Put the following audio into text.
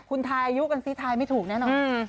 คุณถ่ายุกันซิถ่ายไม่ถูกแน่นอน